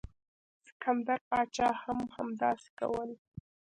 سکندر پاچا هم همداسې کول.